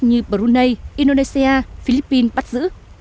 như brunei indonesia philippines bắt giữ